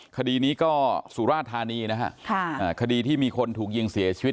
คดีนี้ก็สุราธานีนะฮะคดีที่มีคนถูกยิงเสียชีวิต